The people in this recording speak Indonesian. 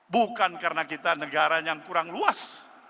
bukan karena kita negara yang kurang luas